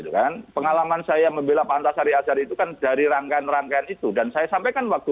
laporan masyarakat anti korupsi indonesia atau maki